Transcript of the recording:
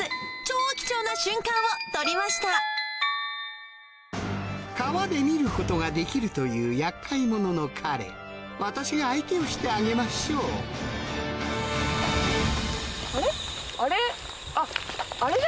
超貴重な瞬間を撮りました川で見ることができるという厄介者の彼私が相手をしてあげましょうあれ？